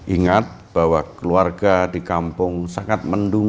ingat bahwa keluarga di kampung sangat mendung